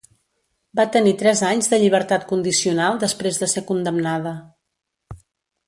Va tenir tres anys de llibertat condicional després de ser condemnada.